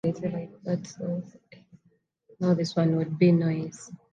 Abalanga eby'amaguzi baagala bantu bangi.